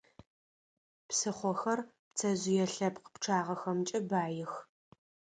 Псыхъохэр пцэжъые лъэпкъ пчъагъэхэмкӀэ баих.